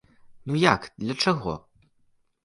Ну, як для чаго?